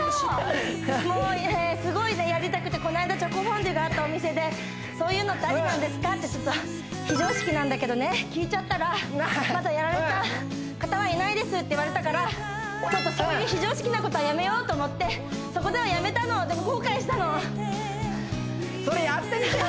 もうすごいやりたくてこの間チョコフォンデュがあったお店で「そういうのってありなんですか？」ってちょっと非常識なんだけどね聞いちゃったらって言われたからちょっとそういう非常識なことはやめようと思ってそこではやめたのでも後悔したのそれやってみてよ